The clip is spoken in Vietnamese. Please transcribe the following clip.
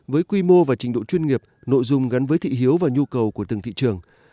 với quy mô và trình độ chuyên nghiệp nội dung gắn với thị hiếu và nhu cầu của từng thị trường